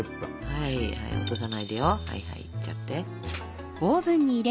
はいはい落とさないでよ。いっちゃって。